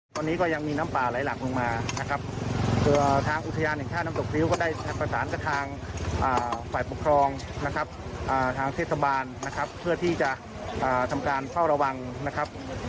ตอนนี้ก็ยังมีน้ำป่าไหลหลากลงมานะครับ